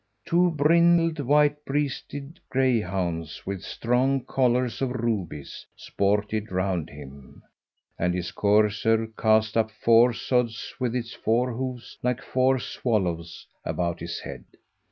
Two brindled, white breasted greyhounds, with strong collars of rubies, sported round him, and his courser cast up four sods with its four hoofs like four swallows about his head.